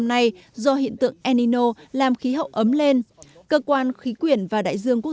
trong năm nay do hiện tượng el nino làm khí hậu ấm lên cơ quan khí quyển và đại dương quốc